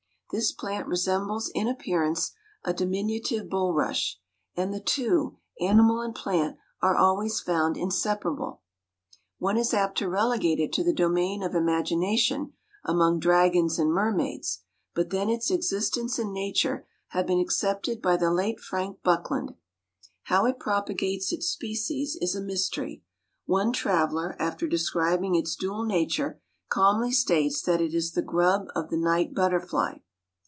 This plant resembles in appearance a diminutive bulrush; and the two, animal and plant, are always found inseparable. One is apt to relegate it to the domain of imagination, among dragons and mermaids; but then its existence and nature have been accepted by the late Frank Buckland. How it propagates its species is a mystery. One traveler, after describing its dual nature, calmly states that it is the grub of the night butterfly.